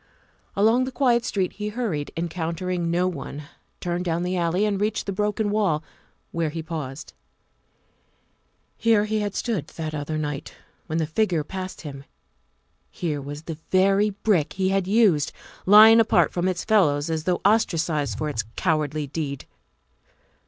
Along the quiet street he hurried, encountering no one, turned down the alley, and reached the broken wall, where he paused. Here he had stood that other night when the figure passed him; here was the very brick he had used, lying apart from its fellows as though ostracized for its cowardly deed.